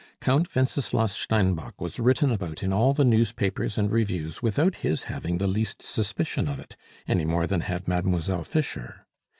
Count Wenceslas Steinbock was written about in all the newspapers and reviews without his having the least suspicion of it, any more than had Mademoiselle Fischer.